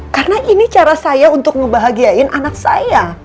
karena ini cara saya untuk ngebahagiain anak saya